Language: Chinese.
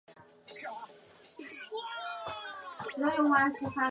舒伯特是一位非常多产的奥地利作曲家。